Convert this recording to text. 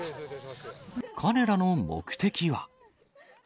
彼らの目的は。